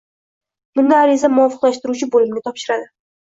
Bunda ariza muvofiqlashtiruvchi bo‘limiga topshiradi.